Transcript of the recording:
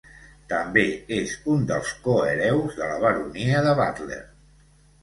També és un dels cohereus de la baronia de Butler.